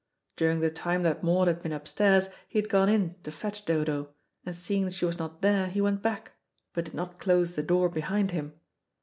During the time that Maud had been upstairs he had gone in to fetch Dodo, and seeing she was not there he went back, but did not close the door behind him.